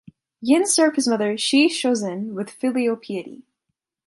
Yin served his mother Shi Shouzhen with filial piety.